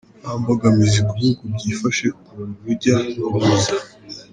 Nta mbogamizi ku bihugu byifashe ku rujya n’uruza